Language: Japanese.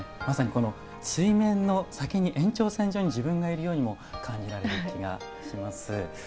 まさにこの水面の先に延長線上に自分がいるようにも感じられる気がします。